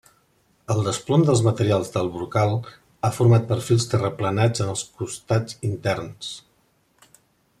El desplom dels materials del brocal ha format perfils terraplenats en els costats interns.